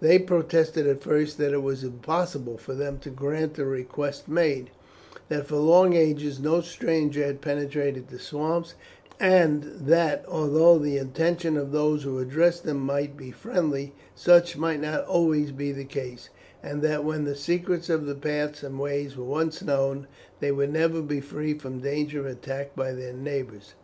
They protested at first that it was impossible for them to grant the request made; that for long ages no stranger had penetrated the swamps, and that although the intention of those who addressed them might be friendly, such might not always be the case, and that when the secrets of the paths and ways were once known they would never be free from danger of attack by their neighbours.